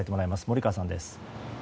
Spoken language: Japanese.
森川さんです。